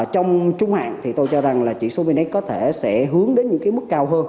trong trung hạn tôi cho rằng trị số vnx có thể sẽ hướng đến những mức cao hơn